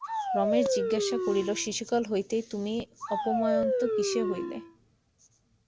রমেশ জিজ্ঞাসা করিল, শিশুকাল হইতেই তুমি অপময়ন্ত কিসে হইলে?